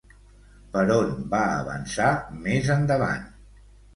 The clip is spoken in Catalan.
Per on va avançar més endavant?